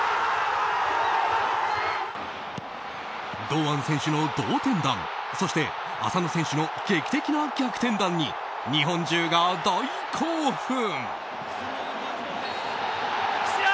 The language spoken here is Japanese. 堂安選手の同点弾そして浅野選手の劇的な逆転弾に日本中が大興奮。